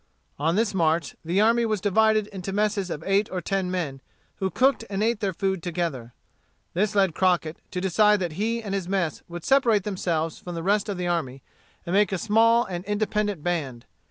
On this march the army was divided into messes of eight or ten men, who cooked and ate their food together. This led Crockett to decide that he and his mess would separate themselves from the rest of the army, and make a small and independent band.